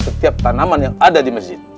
setiap tanaman yang ada di masjid